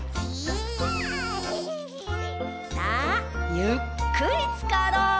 さあゆっくりつかろう！